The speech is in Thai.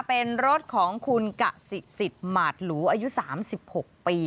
เป็นรถของคุณกสิสิทธิ์หมาดหลูอายุ๓๖ปี